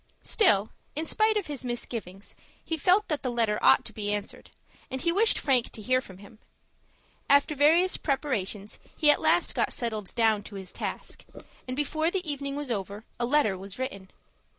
Still, in spite of his misgivings, he felt that the letter ought to be answered, and he wished Frank to hear from him. After various preparations, he at last got settled down to his task, and, before the evening was over, a letter was written.